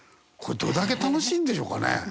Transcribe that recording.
これどれだけ楽しいんでしょうかね？